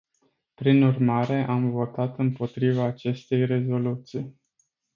Prin urmare, am votat împotriva acestei rezoluții.